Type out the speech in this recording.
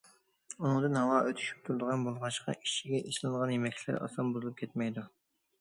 ئۇنىڭدىن ھاۋا ئۆتۈشۈپ تۇرىدىغان بولغاچقا، ئىچىگە سېلىنغان يېمەكلىكلەر ئاسان بۇزۇلۇپ كەتمەيدۇ.